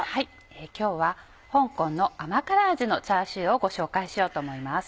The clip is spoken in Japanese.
今日は香港の甘辛味のチャーシューをご紹介しようと思います。